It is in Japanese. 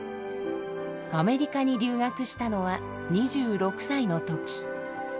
アメリカに留学したのは２６歳の時。